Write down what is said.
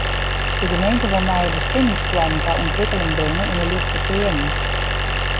De gemeente wol nije bestimmingsplannen ta ûntwikkeling bringe yn de lytse kearnen.